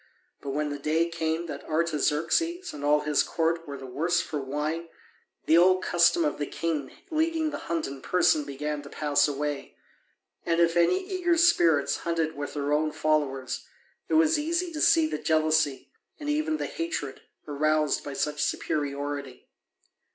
But when the day came that Artaxerxes and all his court were the worse for wine, the old custom of the king leading the hunt in person began to pass away. And if any eager spirits hunted with their own followers it was easy to see the jealousy, and even the hatred, aroused by such superiority.